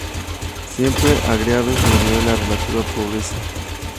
Siempre Hargreaves murió en la relativa pobreza.